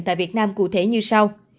tại việt nam cụ thể như sau